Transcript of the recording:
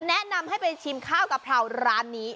แนะนำให้ไปชิมข้าวกะเพราร้านนี้